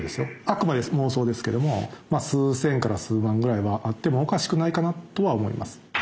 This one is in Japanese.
あくまで妄想ですけども数千から数万ぐらいはあってもおかしくないかなとは思います。